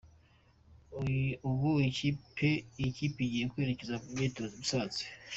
Ubu iyi kipe igiye kwerekeza mu myitozo i Musanze.